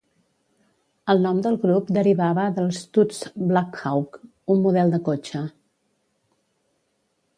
El nom del grup derivava del Stutz Blackhawk, un model de cotxe.